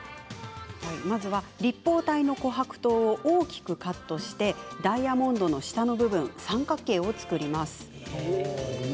まずは、立方体のこはく糖を大きくカットしダイヤモンドの下の部分三角形を作ります。